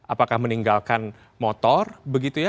apakah meninggalkan motor begitu ya